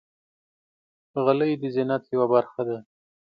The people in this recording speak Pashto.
غلۍ د زینت یوه برخه ده.